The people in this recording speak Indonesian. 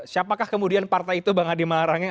siapakah kemudian partai itu bang adi malarangeng